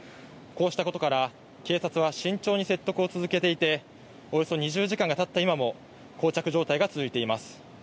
こうしたことから、警察は慎重に説得を続けていておよそ２０時間がたった今もこう着状態が続いています。